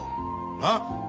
なっ？